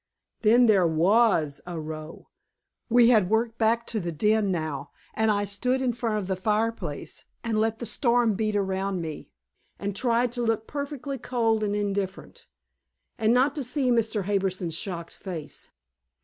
Then there WAS a row. We had worked back to the den now, and I stood in front of the fireplace and let the storm beat around me, and tried to look perfectly cold and indifferent, and not to see Mr. Harbison's shocked face.